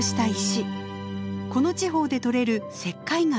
この地方で採れる石灰岩です。